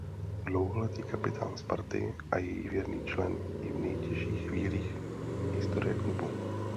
Dlouholetý kapitán Sparty a její věrný člen i v nejtěžších chvílích historie klubu.